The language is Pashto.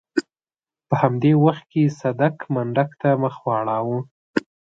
په همدې وخت کې صدک منډک ته مخ واړاوه.